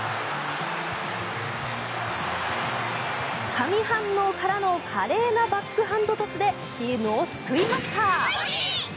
神反応からの華麗なバックハンドトスでチームを救いました。